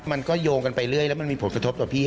มันก็โยงกันไปเรื่อยแล้วมันมีผลกระทบต่อพี่